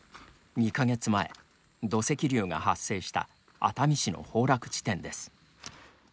２か月前、土石流が発生した熱海市の崩落地点です。